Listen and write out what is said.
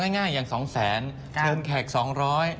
เอาง่ายอย่าง๒แสนเชิญแขก๒๐๐๐๐๐บาท